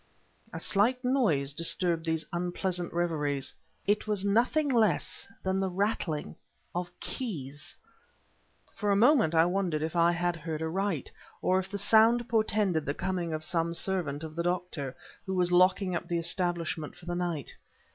A slight noise disturbed these unpleasant reveries. It was nothing less than the rattling of keys! For a moment I wondered if I had heard aright, or if the sound portended the coming of some servant of the doctor, who was locking up the establishment for the night.